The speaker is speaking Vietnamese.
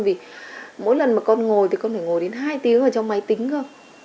vì mỗi lần mà con ngồi thì con phải ngồi đến hai tiếng ở trong máy tính thôi